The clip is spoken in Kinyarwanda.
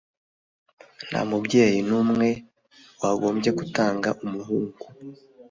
Nta mubyeyi n'umwe wagombye gutanga umuhungu